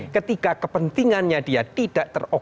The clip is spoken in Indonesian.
ketika kepentingannya dia tidak terobosan